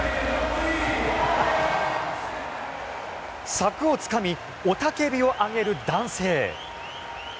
柵をつかみ雄たけびを上げる男性。